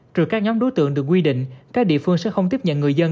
trừ các nhóm đối tượng được quy định các địa phương sẽ không tiếp nhận người dân